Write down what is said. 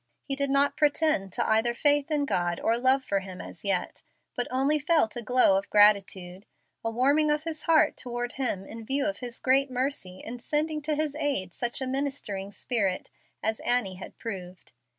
He did not pretend to either faith in God or love for Him as yet, but only felt a glow of gratitude, a warming of his heart toward Him in view of His great mercy in sending to his aid such a ministering spirit as Annie had proved.